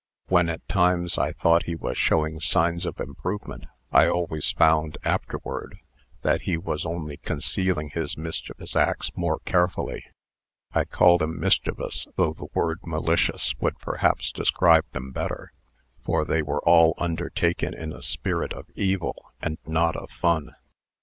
When, at times, I thought he was showing signs of improvement, I always found, afterward, that he was only concealing his mischievous acts more carefully. I call them mischievous, though the word 'malicious' would perhaps describe them better; for they were all undertaken in a spirit of evil, and not of fun."